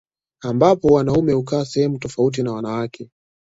Ambapo wanaume hukaa sehemu tofauti na wanawake